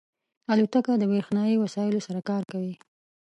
الوتکه د بریښنایی وسایلو سره کار کوي.